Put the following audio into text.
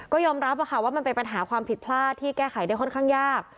ก็ยอมรับว่ามันเป็นปัญหาความผิดพลาดที่แก้ไขได้ค่อนข้างยาก